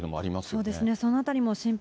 そうですね。